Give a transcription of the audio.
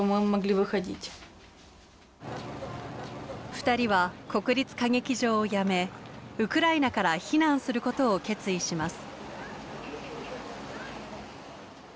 二人は国立歌劇場をやめウクライナから避難することを決意します。